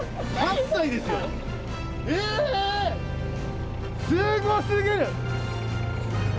えっすごすぎる！